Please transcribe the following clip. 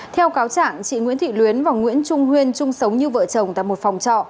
theo cáo trạng chị nguyễn thị luyến và nguyễn trung huyên chung sống như vợ chồng tại một phòng trọ